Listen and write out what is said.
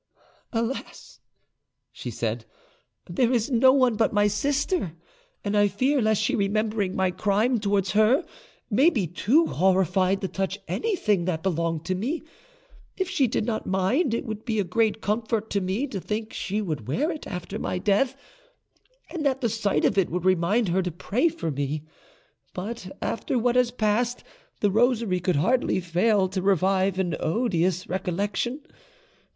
"Alas!" she said, "there is no one but my sister; and I fear lest she, remembering my crime towards her, may be too horrified to touch anything that belonged to me. If she did not mind, it would be a great comfort to me to think she would wear it after my death, and that the sight of it would remind her to pray for me; but after what has passed, the rosary could hardly fail to revive an odious recollection.